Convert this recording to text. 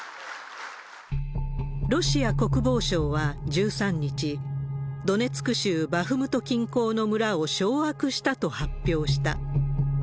ロシア国防省は１３日、ドネツク州バフムト近郊の村を掌握したと発表した。